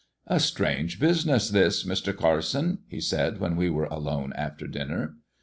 "A strange business this, Mr. Carson," he said, when we were alone after dinner.